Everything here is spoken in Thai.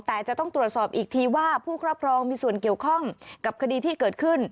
แต่จะต้องตรวจสอบอีกทีว่าผู้ครอบครองมีส่วนเกี่ยวข้องกับคดีที่เกิดขึ้น